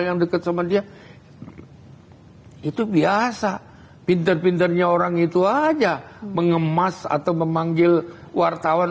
yang dekat sama dia itu biasa pinter pinternya orang itu aja mengemas atau memanggil wartawan